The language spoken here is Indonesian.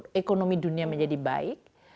kemudian ekonomi dunia menjadi baik